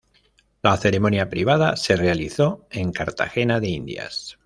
La ceremonia privada se realizó en Cartagena de Indias.